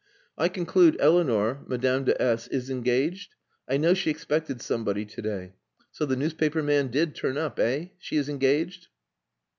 "I conclude Eleanor Madame de S is engaged. I know she expected somebody to day. So the newspaper man did turn up, eh? She is engaged?"